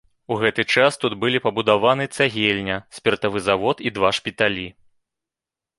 У гэты час тут былі пабудаваны цагельня, спіртавы завод і два шпіталі.